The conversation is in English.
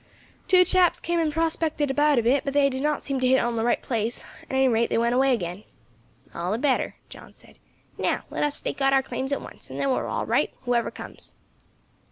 "Two chaps came up and prospected about a bit, but they did not seem to hit on the right place; at any rate they went away again." "All the better," John said. "Now let us stake out our claims at once, then we are all right, whoever comes."